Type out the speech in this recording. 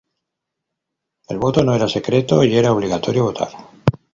El voto no era secreto y era obligatorio votar.